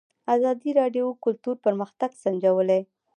ازادي راډیو د کلتور پرمختګ سنجولی.